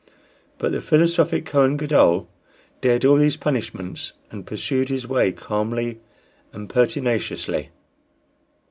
But the philosophic Kohen Gadol dared all these punishments, and pursued his way calmly and pertinaciously.